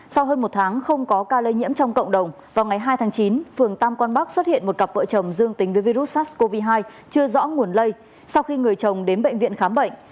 sau hơn một tháng không có ca lây nhiễm trong cộng đồng vào ngày hai tháng chín phường tam quang bắc xuất hiện một cặp vợ chồng dương tính với virus sars cov hai chưa rõ nguồn lây sau khi người chồng đến bệnh viện khám bệnh